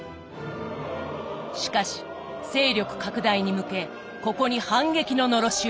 しかし勢力拡大に向けここに反撃ののろしを上げた。